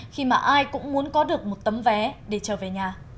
khi mà ai cũng muốn có được một tấm vé để trở về nhà